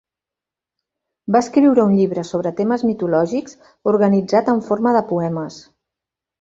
Va escriure un llibre sobre temes mitològics organitzat en forma de poemes.